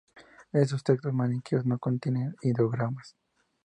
Estos textos maniqueos no contienen ideogramas.